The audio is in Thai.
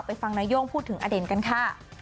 ฟังนาย่งพูดถึงอเด่นกันค่ะ